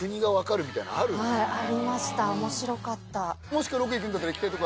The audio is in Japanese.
はいありました面白かった。